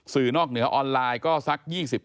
นอกเหนือออนไลน์ก็สัก๒๐